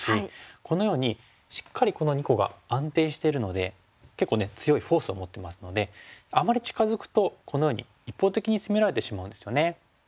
このようにしっかりこの２個が安定してるので結構ね強いフォースを持ってますのであまり近づくとこのように一方的に攻められてしまうんですよね。